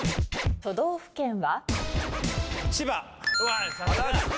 都道府県は？